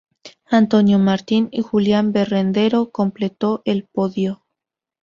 Antonio Martín y Julián Berrendero completó el podio.